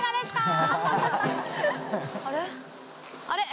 あれ？